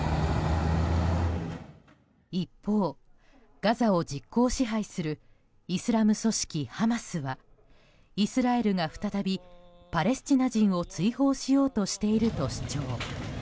一方、ガザを実効支配するイスラム組織ハマスはイスラエルが再びパレスチナ人を追放しようとしていると主張。